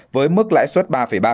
với mức lãi suất ba ba